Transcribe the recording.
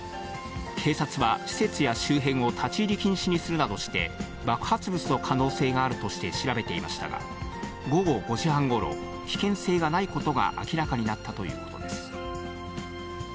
警察は施設や周辺を立ち入り禁止にするなどして、爆発物の可能性があるとして調べていましたが、午後５時半ごろ、危険性がないことが明らかになったということです。